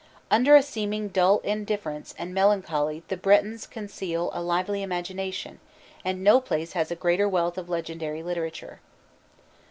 Under a seeming dull indifference and melancholy the Bretons conceal a lively imagination, and no place has a greater wealth of legendary literature.